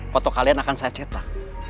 foto kalian akan saya cetak